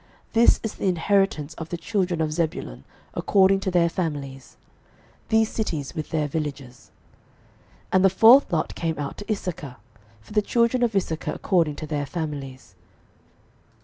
06:019:016 This is the inheritance of the children of Zebulun according to their families, these cities with their villages. 06:019:017 And the fourth lot came out to Issachar, for the children of Issachar according to their families.